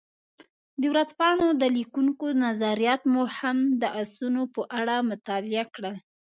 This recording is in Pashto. د ورځپاڼو د لیکونکو نظریات مو هم د اسونو په اړه مطالعه کړل.